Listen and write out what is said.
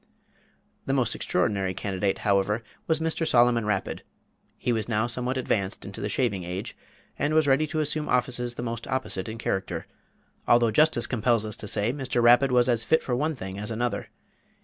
_" The most extraordinary candidate, however, was Mr. Solomon Rapid. He was now somewhat advanced into the shaving age, and was ready to assume offices the most opposite in character; although justice compels us to say Mr. Rapid was as fit for one thing as another.